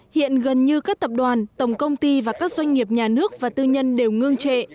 hiện gần như các tập đoàn tổng công ty và các doanh nghiệp nhà nước và tư nhân đều ngương trệ